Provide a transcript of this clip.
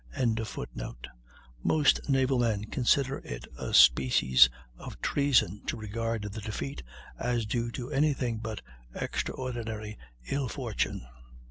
"] Most naval men consider it a species of treason to regard the defeat as due to any thing but extraordinary ill fortune.